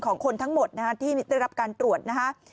ของคนทั้งหมดนะฮะที่ได้รับการตรวจนะฮะ